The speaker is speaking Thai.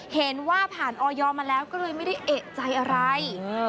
เห็นว่าผ่านออยมาแล้วก็เลยไม่ได้เอกใจอะไร